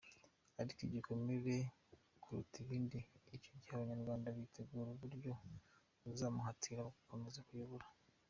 Ariko igikomeye kuruta ibindi, icyo gihe abanyarwanda bateguraga uburyo bazamuhatira gukomeza kubayobora.